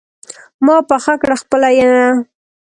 ما پخه کړه خپله ينه